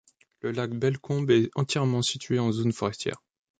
Le lac Bellecombe est entièrement situé en zones forestières.